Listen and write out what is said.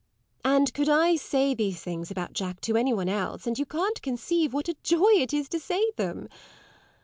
And could I say these things about Jack to any one else, and can't you conceive what a joy it is to say them?